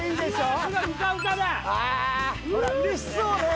うれしそうね。